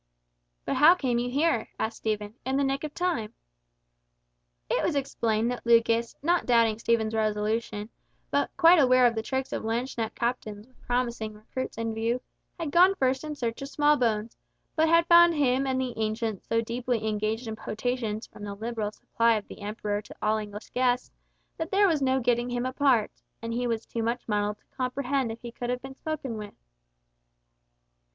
"But how came you here," asked Stephen. "In the nick of time?" It was explained that Lucas, not doubting Stephen's resolution, but quite aware of the tricks of landsknecht captains with promising recruits in view, had gone first in search of Smallbones, but had found him and the Ancient so deeply engaged in potations from the liberal supply of the Emperor to all English guests, that there was no getting him apart, and he was too much muddled to comprehend if he could have been spoken with.